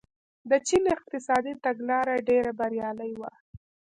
د چین اقتصادي تګلاره ډېره بریالۍ وه.